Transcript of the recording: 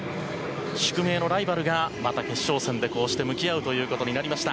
宿命のライバルがまた決勝戦でこうして向き合うということになりました。